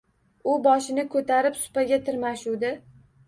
U boshini ko‘tarib supaga tirmashuvdi